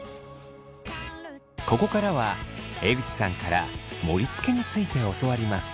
ここからは江口さんから盛りつけについて教わります。